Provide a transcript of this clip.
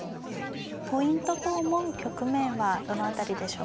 ポイントと思う局面はどの辺りでしょうか。